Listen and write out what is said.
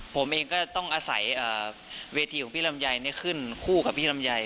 ผมเองก็ต้องอาศัยเวทีของพี่ลำไยขึ้นคู่กับพี่ลำไย